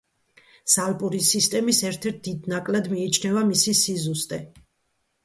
ზალპური სისტემის ერთ-ერთ დიდ ნაკლად მიიჩნევა მისი სიზუსტე.